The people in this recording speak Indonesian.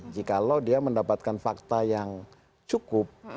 jikalau dia mendapatkan fakta yang cukup